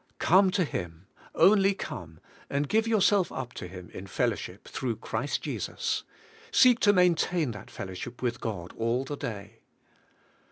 Come to Him; only come, and give yourself up to Him in fellowship through Christ Jesus. Seek to maintain that fel lowship with God all the day.